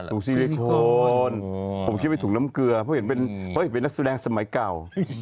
ถุงซิลิโคนผมคิดว่าถุงน้ำเกลือเพราะเห็นเป็นนักแสดงสมัยเก่า